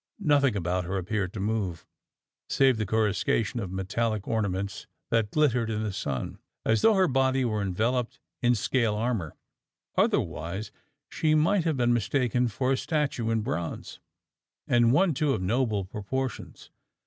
Nothing about her appeared to move save the coruscation of metallic ornaments that glittered in the sun, as though her body were enveloped in scale armour. Otherwise, she might have been mistaken for a statue in bronze. And one, too, of noble proportions.